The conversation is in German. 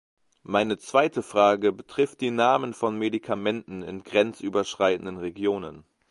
Meine zweite Frage betrifft die Namen von Medikamenten in grenzüberschreitenden Regionen.